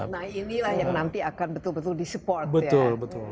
nah inilah yang nanti akan betul betul disupport ya